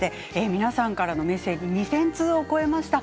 皆さんからのメッセージ２０００通を超えました。